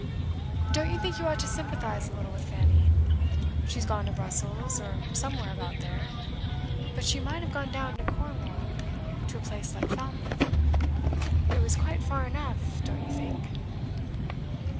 Don't you think you ought to sympathise a little with Fanny? She has gone to Brussels, or somewhere about there. But she might have gone down into Cornwall to a place like Falmouth. It was quite far enough off don't you think?